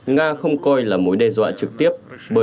nga không coi là mối đe dọa trực tiếp